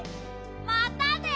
またね！